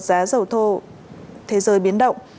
giá dầu thô thế giới biến đổi